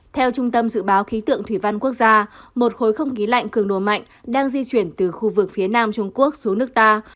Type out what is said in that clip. theo trung tâm dự báo khí tượng thủy văn quốc gia một khối không khí lạnh cường độ mạnh đang di chuyển từ khu vực phía nam trung quốc xuống nước ta